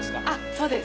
そうです。